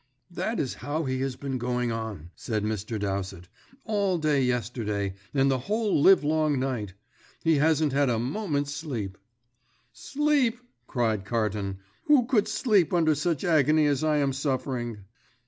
"That is how he has been going on," said Mr. Dowsett, "all day yesterday, and the whole live long night. He hasn't had a moment's sleep." "Sleep!" cried Carton. "Who could sleep under such agony as I am suffering?"